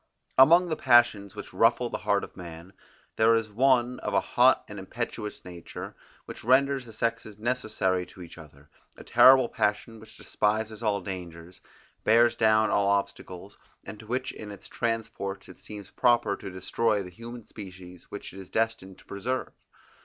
Among the passions which ruffle the heart of man, there is one of a hot and impetuous nature, which renders the sexes necessary to each other; a terrible passion which despises all dangers, bears down all obstacles, and to which in its transports it seems proper to destroy the human species which it is destined to preserve.